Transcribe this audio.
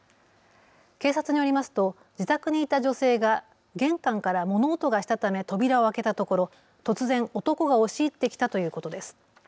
警察によりますと自宅にいた女性が玄関から物音がしたため扉を開けたところ突然、男が押し入ってきたということです。